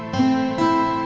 gak ada apa apa